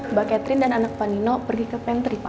mbak catherine dan anak pak nino pergi ke pantri pak